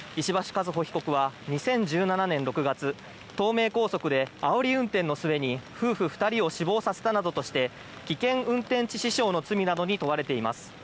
和歩被告は２０１７年６月東名高速であおり運転の末に夫婦２人を死亡させたなどとして危険運転致死傷の罪などに問われています。